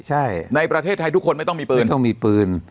ใช่ในประเทศไทยทุกคนไม่ต้องมีปืนต้องมีปืน